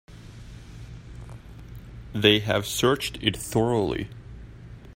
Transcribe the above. They have searched it thoroughly.